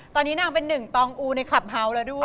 ตอนนี้นางเป็นหนึ่งตองอูในคลับเฮาส์แล้วด้วย